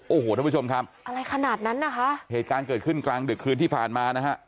โอ้โหท่านผู้ชมครับอะไรขนาดนั้นนะคะเหตุการณ์เกิดขึ้นกลางดึกคืนที่ผ่านมานะฮะ